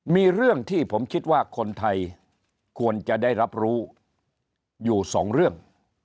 มีเรื่องที่ผมคิดว่าคนไทยควรจะได้รับรู้อยู่สองเรื่อง